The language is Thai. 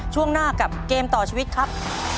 ช่วงหน้ากับเกมต่อชีวิตครับ